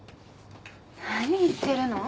何言ってるの？